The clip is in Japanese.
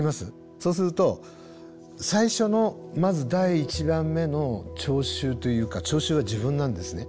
そうすると最初のまず第１番目の聴衆というか聴衆は自分なんですね。